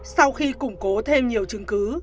sau khi củng cố thêm nhiều chứng cứ